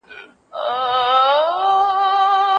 اقتصادي توازن د هیواد لپاره مهم دی.